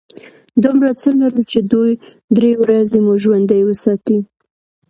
دومره څه لرو چې دوې – درې ورځې مو ژوندي وساتي.